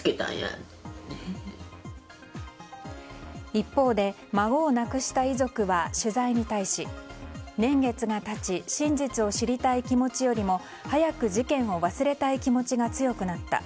一方で孫を亡くした遺族は取材に対し年月が経ち真実を知りたい気持ちよりも早く事件を忘れたい気持ちが強くなった。